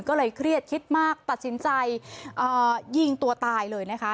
ก็เลยเครียดคิดมากตัดสินใจยิงตัวตายเลยนะคะ